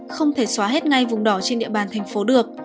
không thể xóa hết ngay vùng đỏ trên địa bàn thành phố được